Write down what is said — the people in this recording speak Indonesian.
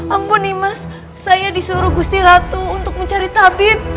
ampun nimas saya disuruh gusti ratu untuk mencari tabib